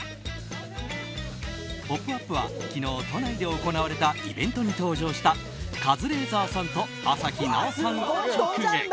「ポップＵＰ！」は昨日都内で行われたイベントに登場した、カズレーザーさんと朝日奈央さんを直撃。